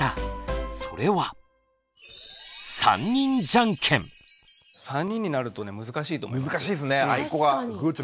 それは３人になるとね難しいと思います。